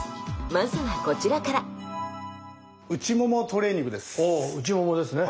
まずはこちらからああ内ももですね。